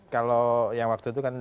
kalau yang waktu itu kan